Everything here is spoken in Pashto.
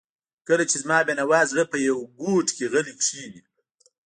کله چې زما بېنوا زړه په یوه ګوټ کې غلی کښیني.